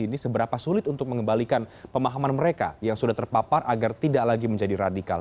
ini seberapa sulit untuk mengembalikan pemahaman mereka yang sudah terpapar agar tidak lagi menjadi radikal